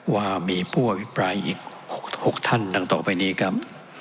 ว่ามีผู้อภิปรายอีก๖ท่านดังต่อไปนี้ครับ